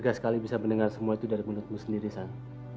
gak sekali bisa mendengar semua itu dari menurutmu sendiri san